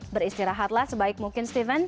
beristirahatlah sebaik mungkin stephen